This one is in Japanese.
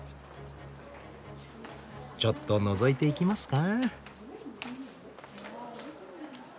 ちょっとのぞいていきますか？